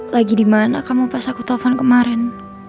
lagi di mana kamu pas aku telepon kemarin